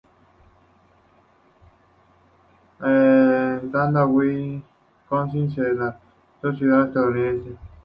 Estando en Wisconsin se naturalizó ciudadano estadounidense.